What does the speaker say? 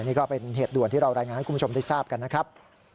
นี่ก็เป็นเหตุด่วนที่เรารายงานให้คุณผู้ชมได้ทราบกันนะครับ